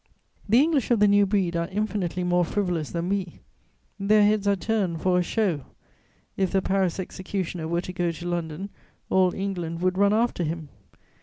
The English of the new breed are infinitely more frivolous than we; their heads are turned for a "show:" if the Paris executioner were to go to London, all England would run after him.